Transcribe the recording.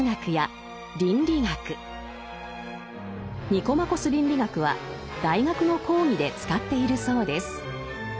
「ニコマコス倫理学」は大学の講義で使っているそうです。